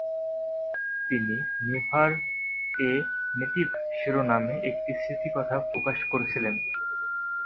তিনি "never a native" শিরোনামে একটি স্মৃতিকথা প্রকাশ করেছিলেন।